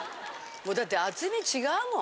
もうだって厚み違うもん。